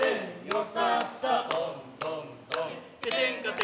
よかったな。